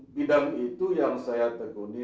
bidang itu yang saya tekuni